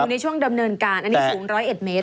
อยู่ในช่วงดำเนินกาลนี่สูงร้อยเอกแมตร